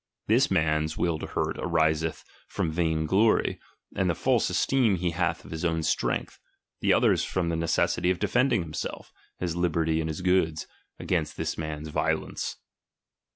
This man's will to hurt ariseth from vain glory, and the false esteem he hath of his own strength ; the other's from the necessity of defending himself, his liberty, and his goods, ag^st this man's vio lence.